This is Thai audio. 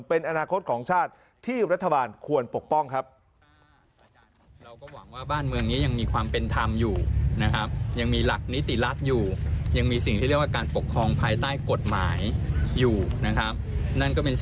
เป็นอนาคตของชาติที่รัฐบาลควรปกป้องครับ